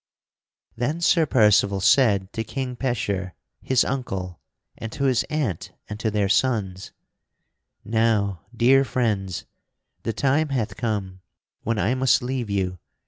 Then Sir Percival said to King Pecheur, his uncle and to his aunt and to their sons: "Now, dear friends, the time hath come when I must leave you.